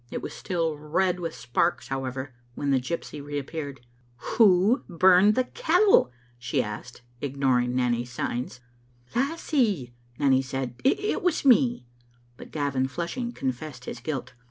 It was still red with sparks, however, when the gypsy reappeared. "Who burned the kettle?" she asked, ignoring Nanny's signs. " Lassie," Nanny said, " it was me;" but Gavin, flush ing, confessed his guilt.